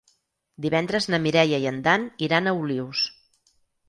Divendres na Mireia i en Dan iran a Olius.